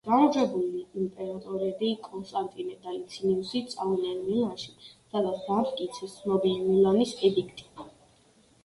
გამარჯვებული იმპერატორები, კონსტანტინე და ლიცინიუსი, წავიდნენ მილანში, სადაც დაამტკიცეს ცნობილი მილანის ედიქტი.